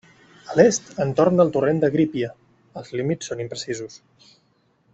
A l'est, entorn del torrent de la Grípia, els límits són imprecisos.